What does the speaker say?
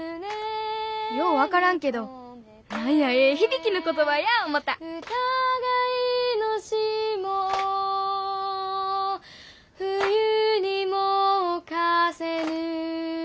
よう分からんけど何やええ響きの言葉や思た「疑いの霜を冬にもおかせぬ」